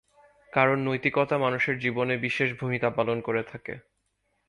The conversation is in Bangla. কারণ নৈতিকতা মানুষের জীবনে বিশেষ ভূমিকা পালন করে থাকে।